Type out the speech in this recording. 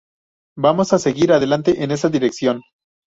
Vamos a seguir adelante en esta dirección.